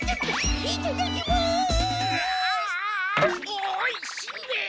おいしんべヱ！